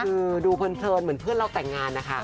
คือดูเพลินเหมือนเพื่อนเราแต่งงานนะคะ